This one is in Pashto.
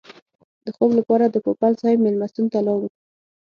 د خوب لپاره د پوپل صاحب مېلمستون ته لاړو.